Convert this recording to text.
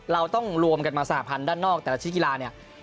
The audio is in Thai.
เราต้องรวมกันมาสหพันธ์ด้านนอกแต่ละชิ้นกีฬาเนี่ย